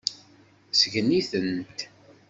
Sgen-itent.